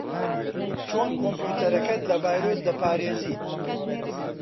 چۆن کۆمپیوتەرەکەت لە ڤایرۆس دەپارێزیت؟